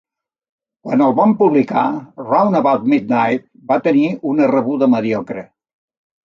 Quan el van publicar, "Round About Midnight" va tenir una rebuda mediocre.